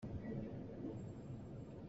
A ing a puang.